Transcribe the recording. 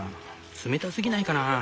冷たすぎないかな？